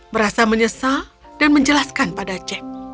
merasa menyesal dan menjelaskan pada jack